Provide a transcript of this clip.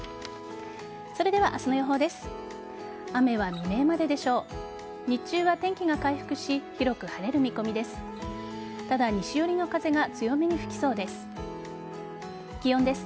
それでは明日の予報です。